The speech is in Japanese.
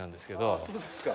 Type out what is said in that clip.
ああそうですか。